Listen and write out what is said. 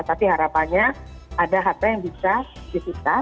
tapi harapannya ada harta yang bisa disita